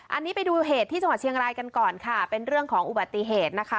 อันนี้ไปดูเหตุที่จังหวัดเชียงรายกันก่อนค่ะเป็นเรื่องของอุบัติเหตุนะคะ